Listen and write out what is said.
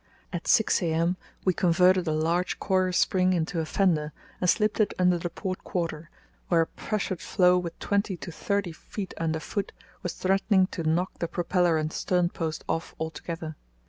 At 6 a.m. we converted a large coir spring into a fender, and slipped it under the port quarter, where a pressured floe with twenty to thirty feet underfoot was threatening try knock the propeller and stern post off altogether.